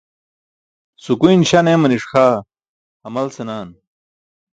Sukuyn śaṅ eemani̇ṣ xaa hamal senaan.